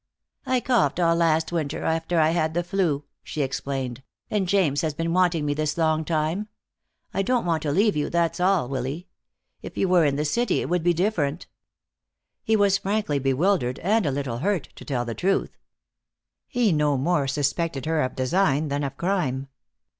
"I coughed all last winter, after I had the flu," she explained, "and James has been wanting me this long time. I don't want to leave you, that's all, Willy. If you were in the city it would be different." He was frankly bewildered and a little hurt, to tell the truth. He no more suspected her of design than of crime.